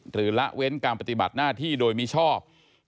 ละเว้นการปฏิบัติหน้าที่โดยมิชอบ